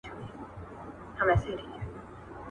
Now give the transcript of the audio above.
چيري ئې وهم، چيري ئې ږغ وزي.